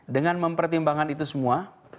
dengan mempertimbangkan itu semua